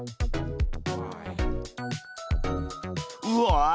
うわ！